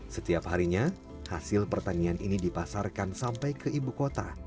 setiap harinya hasil pertanian ini dipasarkan sampai ke ibu kota